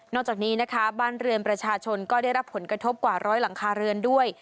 จากนี้นะคะบ้านเรือนประชาชนก็ได้รับผลกระทบกว่าร้อยหลังคาเรือนด้วย